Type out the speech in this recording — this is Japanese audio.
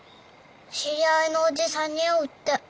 知り合いのおじさんに会うって。